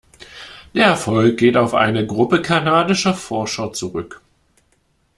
Der Erfolg geht auf eine Gruppe kanadischer Forscher zurück.